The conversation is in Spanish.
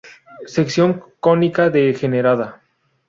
Sección cónica degenerada